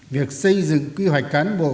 việc xây dựng quy hoạch cán bộ